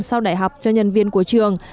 sau đại học cho nhân viên của trường